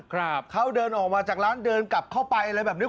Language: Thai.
ครับเขาเดินออกมาจากร้านเดินกลับเข้าไปอะไรแบบนี้